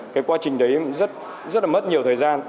cái quá trình đấy cũng rất là mất nhiều thời gian